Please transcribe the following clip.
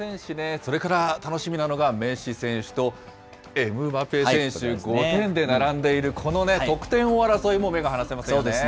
それから楽しみなのが、メッシ選手とエムバペ選手、得点王で並んでいるこの得点王争いも目が離せませんよね。